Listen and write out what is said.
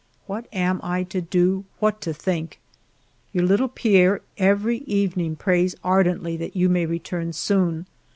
What am I to do, what to think ?" Your little Pierre every evening prays ar dently that you may return soon.